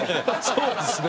そうですね。